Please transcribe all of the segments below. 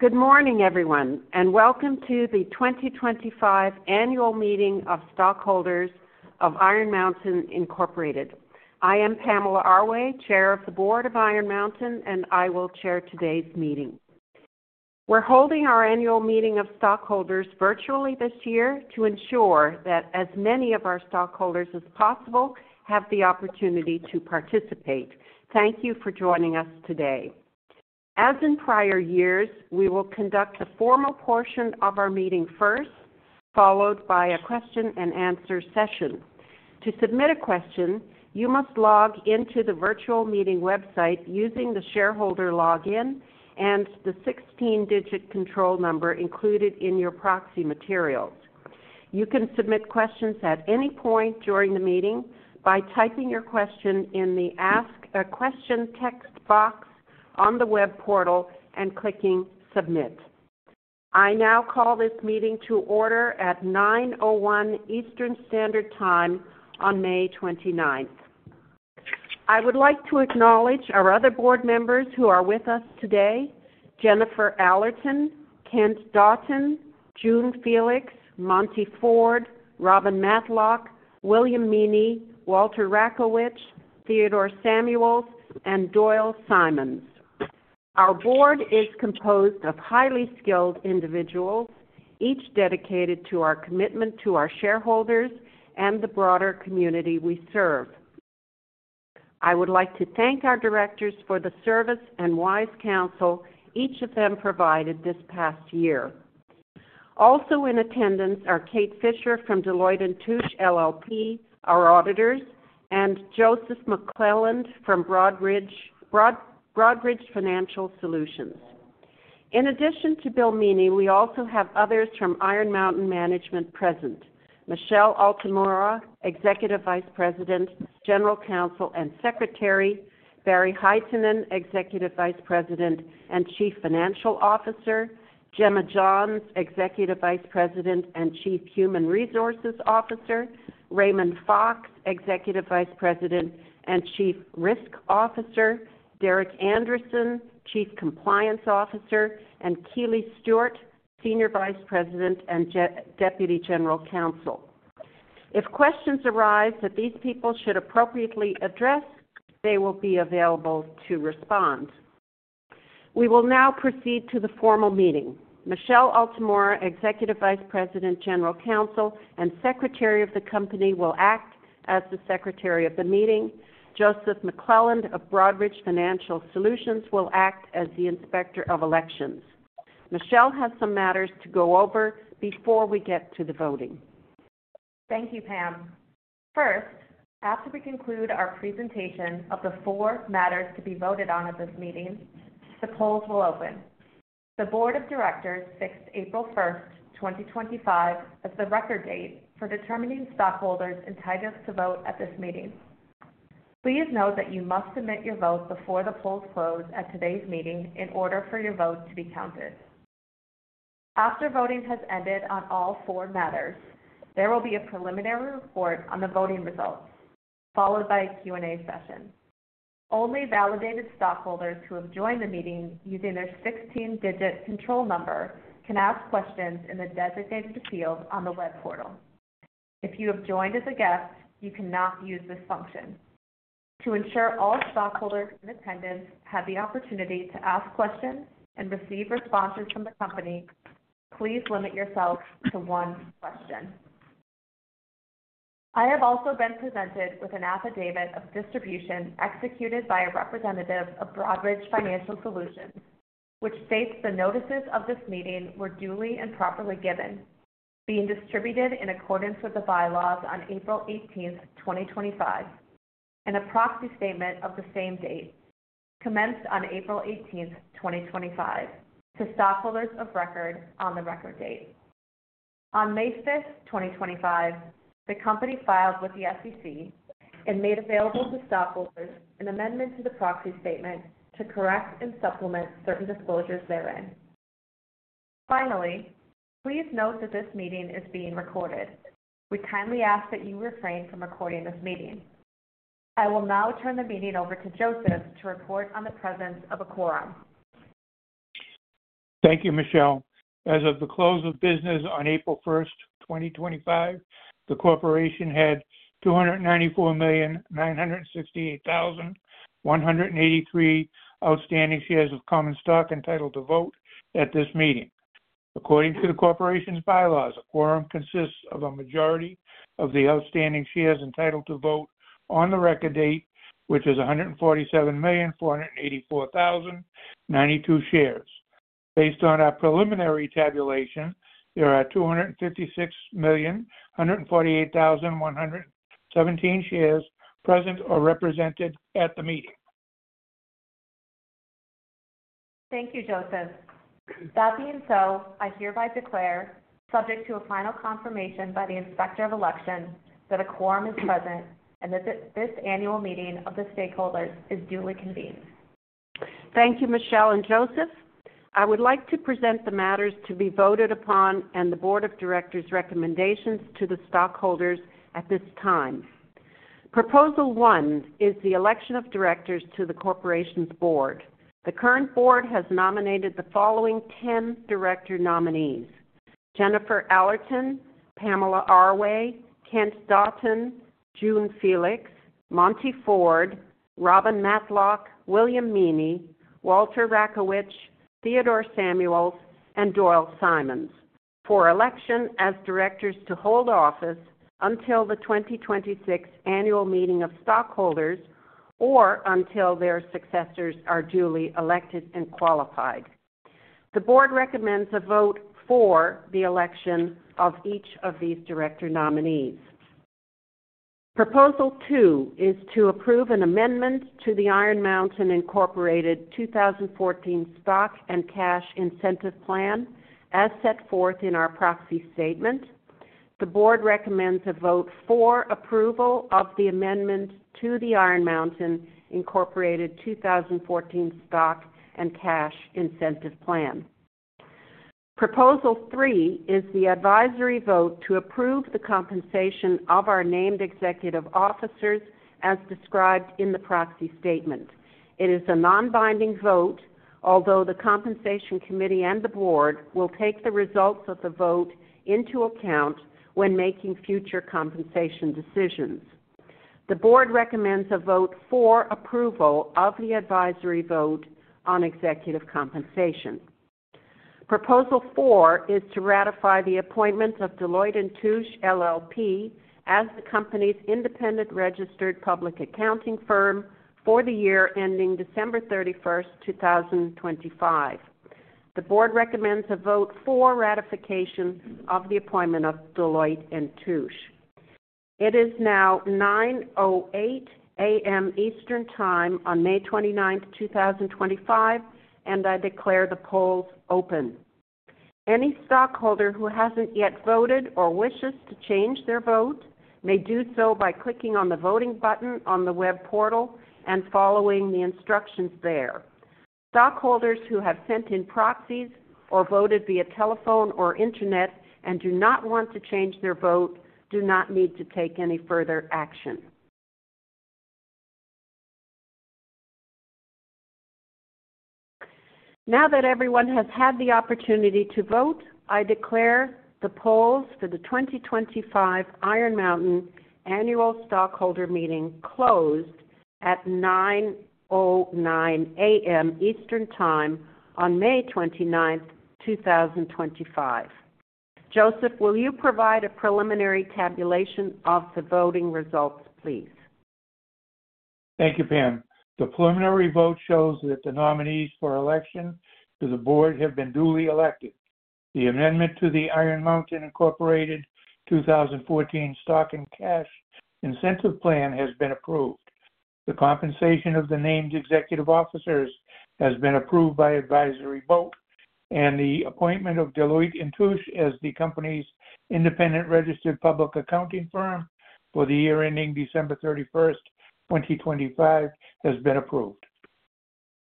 Good morning, everyone, and welcome to the 2025 Annual Meeting of Stockholders of Iron Mountain Incorporated. I am Pamela Arway, Chair of the Board of Iron Mountain, and I will chair today's meeting. We're holding our Annual Meeting of Stockholders virtually this year to ensure that as many of our stockholders as possible have the opportunity to participate. Thank you for joining us today. As in prior years, we will conduct the formal portion of our meeting first, followed by a question-and-answer session. To submit a question, you must log into the virtual meeting website using the shareholder login and the 16-digit control number included in your proxy materials. You can submit questions at any point during the meeting by typing your question in the Ask a Question text box on the web portal and clicking Submit. I now call this meeting to order at 9:01 A.M Eastern Standard Time on May 29th. I would like to acknowledge our other board members who are with us today, Jennifer Allerton, Kent Dauten, June Felix, Monte Ford, Robin Matlock, William Meaney, Walter Rakowich, Theodore Samuels, and Doyle Simons. Our board is composed of highly skilled individuals, each dedicated to our commitment to our shareholders and the broader community we serve. I would like to thank our directors for the service and wise counsel each of them provided this past year. Also in attendance are Kate Fisher from Deloitte & Touche LLP, our auditors, and Joseph MacLelland from Broadridge Financial Solutions. In addition to Bill Meaney, we also have others from Iron Mountain management present, Michelle Altamura, Executive Vice President, General Counsel and Secretary; Barry Hytinen, Executive Vice President and Chief Financial Officer; Jemma Johns, Executive Vice President and Chief Human Resources Officer; Raymond Fox, Executive Vice President and Chief Risk Officer; Derek Anderson, Chief Compliance Officer; and Keely Stewart, Senior Vice President and Deputy General Counsel. If questions arise that these people should appropriately address, they will be available to respond. We will now proceed to the formal meeting. Michelle Altamura, Executive Vice President, General Counsel, and Secretary of the company will act as the Secretary of the meeting. Joseph MacLelland of Broadridge Financial Solutions will act as the Inspector of Elections. Michelle has some matters to go over before we get to the voting. Thank you, Pam. First, after we conclude our presentation of the four matters to be voted on at this meeting, the polls will open. The Board of Directors fixed April 1st, 2025, as the record date for determining stockholders entitled to vote at this meeting. Please note that you must submit your vote before the polls close at today's meeting in order for your vote to be counted. After voting has ended on all four matters, there will be a preliminary report on the voting results, followed by a Q&A session. Only validated stockholders who have joined the meeting using their 16-digit control number can ask questions in the designated field on the web portal. If you have joined as a guest, you cannot use this function. To ensure all stockholders in attendance have the opportunity to ask questions and receive responses from the company, please limit yourself to one question. I have also been presented with an affidavit of distribution executed by a representative of Broadridge Financial Solutions, which states the notices of this meeting were duly and properly given, being distributed in accordance with the bylaws on April 18th, 2025, and a proxy statement of the same date, commenced on April 18th, 2025, to stockholders of record on the record date. On May 5th, 2025, the company filed with the SEC and made available to stockholders an amendment to the proxy statement to correct and supplement certain disclosures therein. Finally, please note that this meeting is being recorded. We kindly ask that you refrain from recording this meeting. I will now turn the meeting over to Joseph to report on the presence of a quorum. Thank you, Michelle. As of the close of business on April 1st, 2025, the corporation had 294,968,183 outstanding shares of common stock entitled to vote at this meeting. According to the corporation's bylaws, a quorum consists of a majority of the outstanding shares entitled to vote on the record date, which is 147,484,092 shares. Based on our preliminary tabulation, there are 256,148,117 shares present or represented at the meeting. Thank you, Joseph. That being so, I hereby declare, subject to a final confirmation by the Inspector of Elections, that a quorum is present and that this annual meeting of the stockholders is duly convened. Thank you, Michelle and Joseph. I would like to present the matters to be voted upon and the Board of Directors' recommendations to the stockholders at this time. Proposal one is the election of directors to the corporation's board. The current board has nominated the following 10 director nominees. Jennifer Allerton, Pamela Arway, Kent Dauten, June Felix, Monte Ford, Robin Matlock, William Meaney, Walter Rakowich, Theodore Samuels, and Doyle Simons, for election as directors to hold office until the 2026 Annual Meeting of Stockholders or until their successors are duly elected and qualified. The board recommends a vote for the election of each of these director nominees. Proposal two is to approve an amendment to the Iron Mountain Incorporated 2014 Stock and Cash Incentive Plan as set forth in our proxy statement. The board recommends a vote for approval of the amendment to the Iron Mountain Incorporated 2014 Stock and Cash Incentive Plan. Proposal three is the advisory vote to approve the compensation of our named executive officers as described in the proxy statement. It is a non-binding vote, although the Compensation Committee and the board will take the results of the vote into account when making future compensation decisions. The board recommends a vote for approval of the advisory vote on executive compensation. Proposal four is to ratify the appointment of Deloitte & Touche LLP as the company's independent registered public accounting firm for the year ending December 31st, 2025. The board recommends a vote for ratification of the appointment of Deloitte & Touche. It is now 9:08 A.M. Eastern Time on May 29th, 2025, and I declare the polls open. Any stockholder who hasn't yet voted or wishes to change their vote may do so by clicking on the voting button on the web portal and following the instructions there. Stockholders who have sent in proxies or voted via telephone or internet and do not want to change their vote do not need to take any further action. Now that everyone has had the opportunity to vote, I declare the polls for the 2025 Iron Mountain Annual Stockholder Meeting closed at 9:09 A.M. Eastern Time on May 29th, 2025. Joseph, will you provide a preliminary tabulation of the voting results, please? Thank you, Pam. The preliminary vote shows that the nominees for election to the board have been duly elected. The amendment to the Iron Mountain Incorporated 2014 Stock and Cash Incentive Plan has been approved. The compensation of the named executive officers has been approved by advisory vote, and the appointment of Deloitte & Touche as the company's independent registered public accounting firm for the year ending December 31st, 2025, has been approved.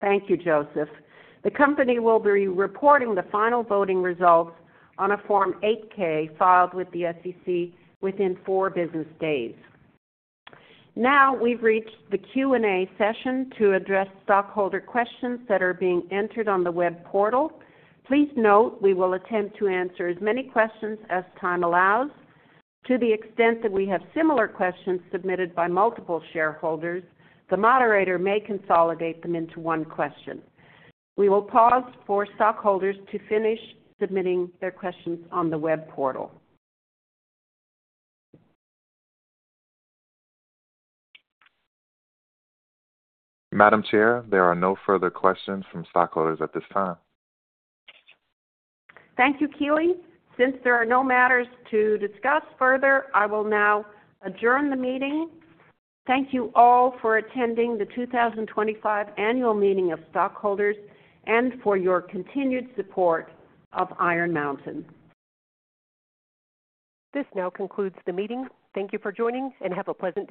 Thank you, Joseph. The company will be reporting the final voting results on a Form 8-K filed with the SEC within four business days. Now we've reached the Q&A session to address stockholder questions that are being entered on the web portal. Please note we will attempt to answer as many questions as time allows. To the extent that we have similar questions submitted by multiple stockholders, the moderator may consolidate them into one question. We will pause for stockholders to finish submitting their questions on the web portal. Madam Chair, there are no further questions from stockholders at this time. Thank you, Keely. Since there are no matters to discuss further, I will now adjourn the meeting. Thank you all for attending the 2025 Annual Meeting of Stockholders and for your continued support of Iron Mountain. This now concludes the meeting. Thank you for joining and have a pleasant day.